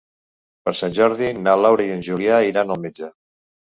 Per Sant Jordi na Laura i en Julià iran al metge.